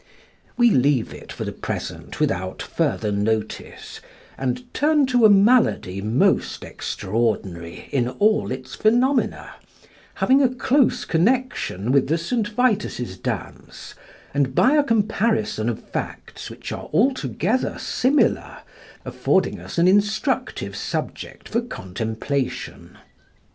We leave it for the present without further notice, and turn to a malady most extraordinary in all its phenomena, having a close connection with the St. Vitus's dance, and, by a comparison of facts which are altogether similar, affording us an instructive subject for contemplation.